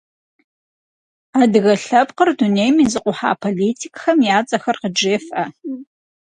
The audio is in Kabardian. Адыгэ лъэпкъыр дунейм изыкъухьа политикхэм я цӏэхэр къыджефӏэ.